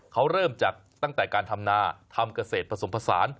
เขาเริ่มจากตั้งแต่การทำนาทำเกษตรผสมผสาน